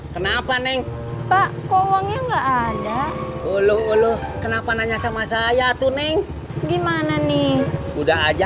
kenapa neng pak kok uangnya enggak ada ulu ulu kenapa nanya sama saya tuh neng gimana nih udah aja